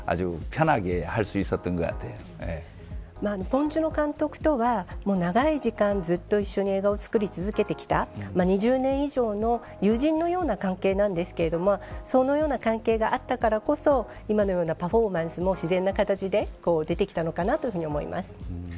ポン・ジュノ監督とは長い時間ずっと一緒に映画を作り続けてきた２０年以上の友人のような関係なんですけれどそのような関係があったからこそ今のようなパフォーマンスも自然な形で出てきたのかなと思います。